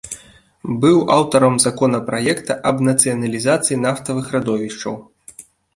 Быў аўтарам законапраекта аб нацыяналізацыі нафтавых радовішчаў.